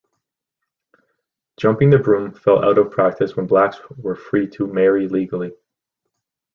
Jumping the broom fell out of practice when blacks were free to marry legally.